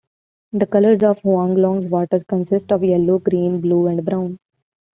The colours of Huanglong's waters consist of yellows, greens, blues and browns.